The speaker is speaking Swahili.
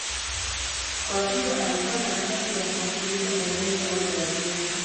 Kwa hiyo alikuwa na haki ya kuwakilisha Liberia au Brazil.